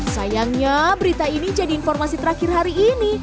sayangnya berita ini jadi informasi terakhir hari ini